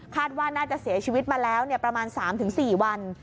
ว่าน่าจะเสียชีวิตมาแล้วประมาณ๓๔วัน